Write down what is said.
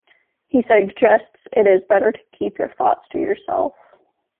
He suggests it is better to keep your thoughts to yourself.